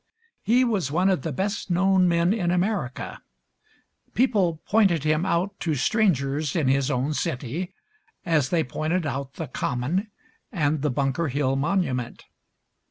He was one of the best known men in America; people pointed him out to strangers in his own city as they pointed out the Common and the Bunker Hill monument.